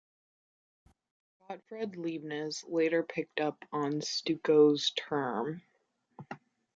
Gottfried Leibniz later picked up on Steuco's term.